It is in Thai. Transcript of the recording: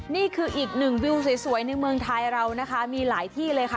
นี่คืออีกหนึ่งวิวสวยในเมืองไทยเรานะคะมีหลายที่เลยค่ะ